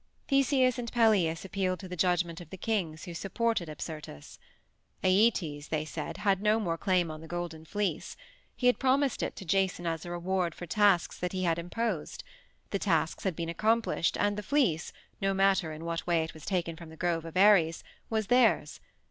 Theseus and Peleus appealed to the judgment of the kings who supported Apsyrtus. Æetes, they said, had no more claim on the Golden Fleece. He had promised it to Jason as a reward for tasks that he had imposed. The tasks had been accomplished and the Fleece, no matter in what way it was taken from the grove of Ares, was theirs.